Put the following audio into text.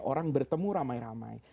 orang bertemu ramai ramai